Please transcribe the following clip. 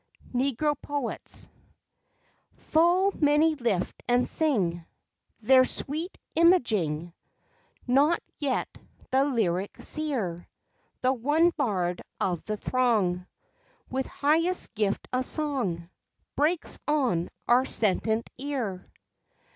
NEGRO POETS Full many lift and sing Their sweet imagining; Not yet the Lyric Seer, The one bard of the throng, With highest gift of song, Breaks on our sentient ear.